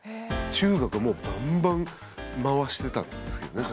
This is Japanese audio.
中学はもうバンバン回してたんですけどね。